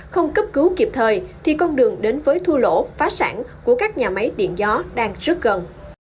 không cấp cứu kịp thời thì con đường đến với thua lỗ phá sản của các nhà máy điện gió đang rất gần